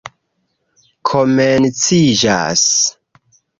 komenciĝas